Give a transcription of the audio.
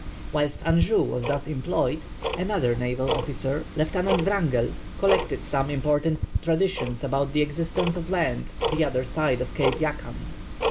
Whilst Anjou was thus employed, another naval officer, Lieutenant Wrangell, collected some important traditions about the existence of land the other side of Cape Yakan.